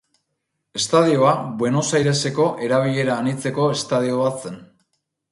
Estadioa Buenos Aireseko erabilera anitzeko estadio bat zen.